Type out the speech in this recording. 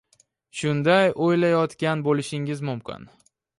Shunday o’ylayotgan bo’lishingiz mumkin.